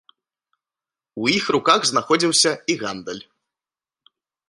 У іх руках знаходзіўся і гандаль.